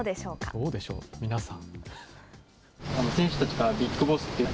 どうでしょう、皆さん。